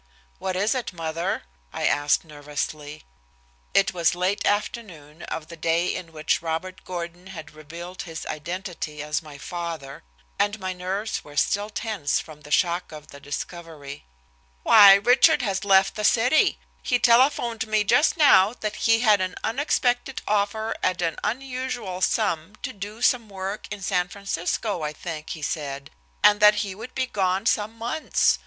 "What is it, mother?" I asked nervously. It was late afternoon of the day in which Robert Gordon had revealed his identity as my father, and my nerves were still tense from the shock of the discovery. "Why, Richard has left the city. He telephoned me just now that he had an unexpected offer at an unusual sum to do some work in San Francisco, I think, he said, and that he would be gone some months.